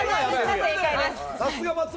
正解です。